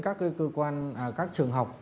các trường học